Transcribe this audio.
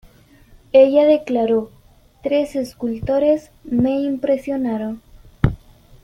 Ella declaró: "Tres escultores me impresionaron.